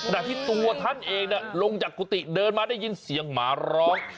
แต่ที่ตัวท่านเองลงจากกุฏิเดินมาได้ยินเสียงหมาร้อง